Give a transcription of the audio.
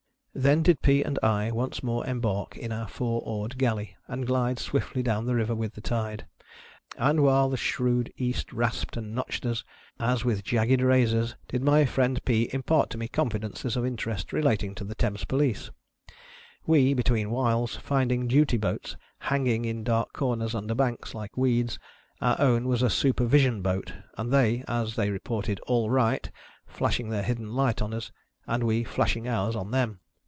Then did Pea and I once more embark in our four oared galley, and glide swiftly down the river with the tide. And while the shrewd East rasped and notched us. as with jagged razors, did my friend Pea impart to me confidences Thames Police of interest relating to the we betweenwhiles finding 1 duty boats " hanging in dark corners under 484 HOUSEHOLD WORDS. [Conducted by banks, like weeds — our own was a "super vision boat" — and they, as they reported " all right !" flashing their hidden light on us, and we flashing ours on them.